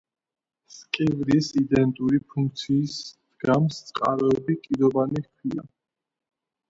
სკივრის იდენტური ფუნქციის, დგამს წყაროებში კიდობანი ჰქვია.